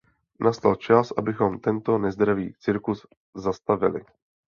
Nastal čas, abychom tento nezdravý cirkus zastavili.